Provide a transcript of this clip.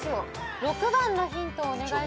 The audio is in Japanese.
６番のヒントをお願いします。